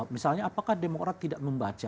misalnya apakah demokra tidak membahas